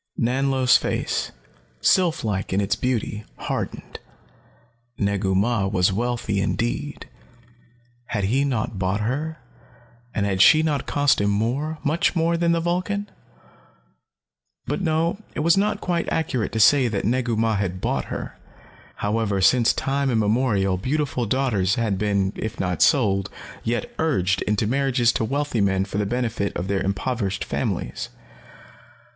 Nanlo's face, sylph like in its beauty, hardened. Negu Mah was wealthy indeed. Had he not bought her, and had she not cost him more, much more, than the Vulcan? But no, it was not quite accurate to say that Negu Mah had bought her. However, since time immemorial beautiful daughters had been, if not sold, yet urged into marriages to wealthy men for the benefit of their impoverished families.